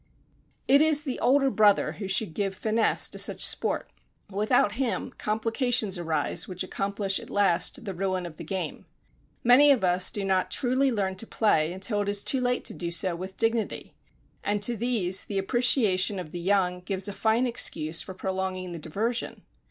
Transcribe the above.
It is the older brother who should give finesse to such sport. Without him, complications arise which accomplish at last the ruin of the game. Many of us do not truly learn to play until it is too late to do so with dignity, and to these, the appreciation of the young gives a fine excuse for prolonging the diversion.